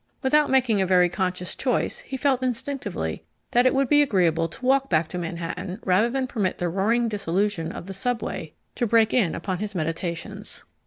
Without making a very conscious choice, he felt instinctively that it would be agreeable to walk back to Manhattan rather than permit the roaring disillusion of the subway to break in upon his meditations.